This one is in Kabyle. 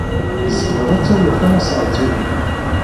Tzemred ad tawid tasnasɣalt-inu.